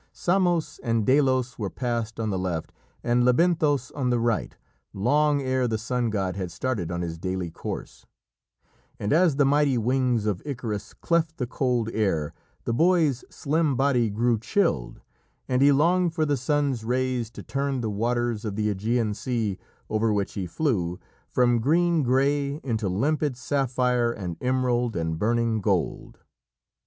Samos and Delos were passed on the left and Lebynthos on the right, long ere the sun god had started on his daily course, and as the mighty wings of Icarus cleft the cold air, the boy's slim body grew chilled, and he longed for the sun's rays to turn the waters of the Ægean Sea over which he flew from green grey into limpid sapphire and emerald and burning gold.